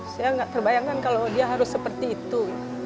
saya nggak terbayangkan kalau dia harus seperti itu